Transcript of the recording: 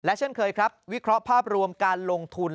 เช่นเคยครับวิเคราะห์ภาพรวมการลงทุน